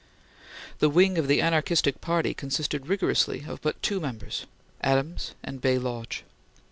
This wing of the anarchistic party consisted rigorously of but two members, Adams and Bay Lodge.